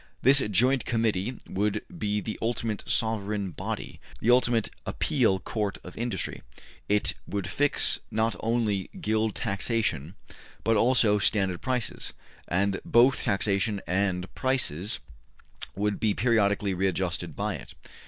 This Joint Committee would be the ultimate sovereign body, the ultimate appeal court of industry. It would fix not only Guild taxation, but also standard prices, and both taxation and prices would be periodically readjusted by it.''